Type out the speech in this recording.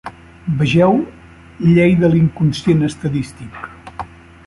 Vegeu Llei de l'inconscient estadístic.